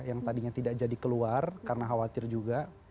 yang tadinya tidak jadi keluar karena khawatir juga